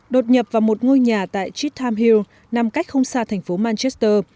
đột nhập vào một ngôi nhà tại chittam hill nằm cách không xa thành phố manchester